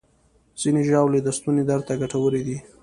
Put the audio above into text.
ځینې ژاولې د ستوني درد ته ګټورې دي.